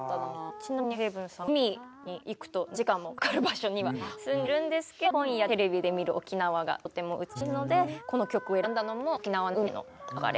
ちなみにヘイブンさんは海に行くと何時間もかかる場所には住んでいるんですけど本やテレビで見る沖縄がとても美しいのでこの曲を選んだのも沖縄の海への憧れ。